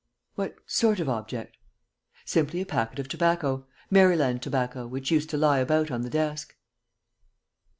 "What sort of object?" "Simply a packet of tobacco, Maryland tobacco, which used to lie about on the desk."